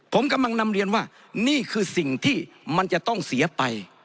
ผมกำลังนำเรียนว่านี่คือสิ่งที่มันจะต้องเสียไป